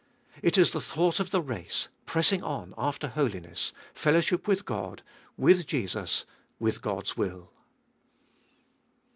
It Is the thought of the race— pressing on after holiness, fellowship with Qod, with Jesus, with God's will.